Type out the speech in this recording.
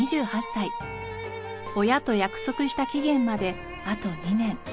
親と約束した期限まであと２年。